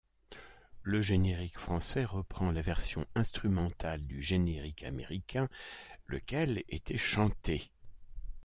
Le générique français reprend la version instrumentale du générique américain, lequel était chanté.